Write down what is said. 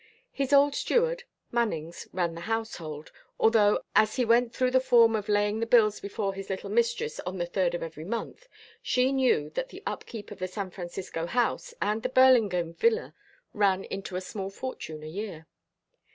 His old steward, Mannings, ran the household, although as he went through the form of laying the bills before his little mistress on the third of every month, she knew that the upkeep of the San Francisco house and the Burlingame villa ran into a small fortune a year.